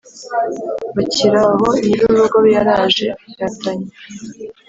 bakiraho nyirirugo yaraje yatanya